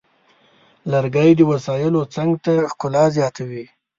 لرګی د وسایلو څنګ ته ښکلا زیاتوي.